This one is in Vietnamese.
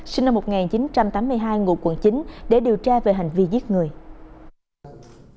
sinh năm một nghìn chín trăm tám mươi hai ngụ quận chín để điều tra về hành vi giết người